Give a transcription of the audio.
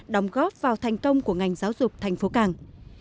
đóng góp vào thành công của ngành giáo dục tp càng